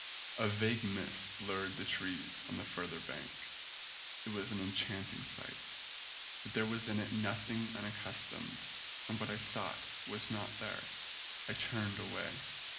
A vague mist blurred the trees on the further bank. It was an enchanting sight, but there was in it nothing un accustomed and what I sought was not there. I turned away.